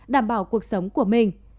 đảm bảo cuộc sống của mình